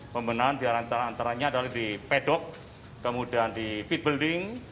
pembenahan diantaranya adalah di pedok kemudian di pit building